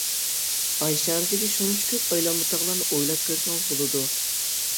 ئاي شارىدىكى شۇنچە كۆپ ئايلانما تاغلارنى ئويلاپ كۆرسىڭىز بولىدۇ.